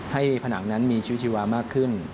ผนังนั้นมีชีวิตชีวามากขึ้น